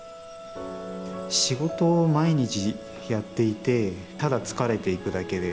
仕事毎日やっていてただ疲れていくだけで。